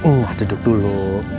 nah duduk dulu